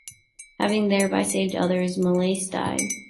Having thereby saved others, Molaise died.